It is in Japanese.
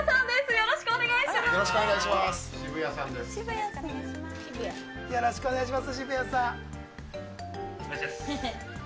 よろしくお願いします。